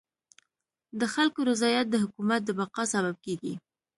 د خلکو رضایت د حکومت د بقا سبب کيږي.